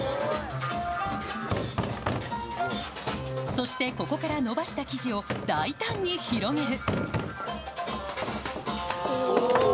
そして、ここから延ばした生地を大胆に広げる。